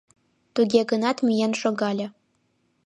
Туге гынат, миен шогале.